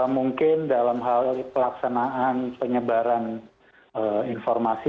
mungkin dalam hal pelaksanaan penyebaran informasi